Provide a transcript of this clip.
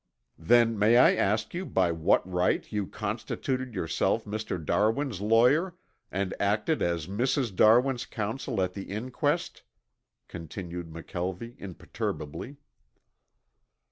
"Then may I ask by what right you constituted yourself Mr. Darwin's lawyer, and acted as Mrs. Darwin's counsel at the inquest?" continued McKelvie imperturbably.